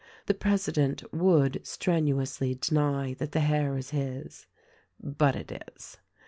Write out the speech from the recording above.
The president would strenuously deny that the hair is his, but it is.